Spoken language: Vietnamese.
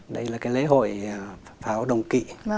đây là cái lễ hội pháo đồng kỵ